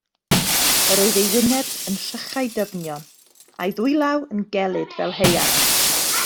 Yr oedd ei wyneb yn rhychau dyfnion, a'i ddwylaw yn gelyd fel haearn.